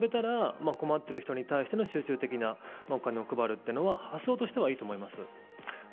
困っている人に対しての集中的なお金を配るというのはそこはいいと思います。